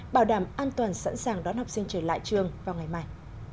bảo đảm an toàn sẵn sàng đón học sinh trở lại trường vào ngày mai